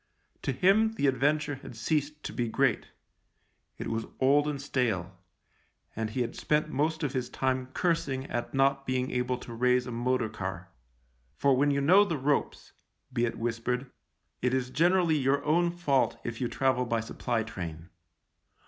To him the Adventure had ceased to be great ; it was old and stale, and he had spent most of his time cursing at not being able to raise a motor car. For when you know the ropes — be it whispered — it is generally your own fault if you travel by supply train.